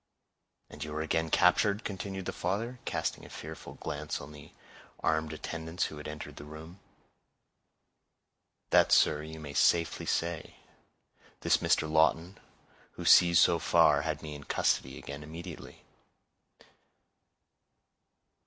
"And you were again captured," continued the father, casting a fearful glance on the armed attendants who had entered the room. "That, sir, you may safely say; this Mr. Lawton, who sees so far, had me in custody again immediately."